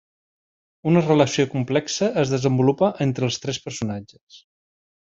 Una relació complexa es desenvolupa entre els tres personatges.